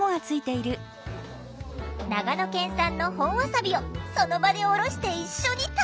長野県産の本わさびをその場でおろして一緒に食べる！